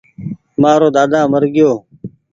مآرو ۮاۮا مر گيوٚ